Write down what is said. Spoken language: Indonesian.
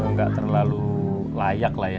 nggak terlalu layak lah ya